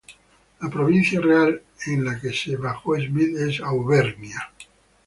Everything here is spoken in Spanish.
La provincia real en la que se basó Smith es Auvernia.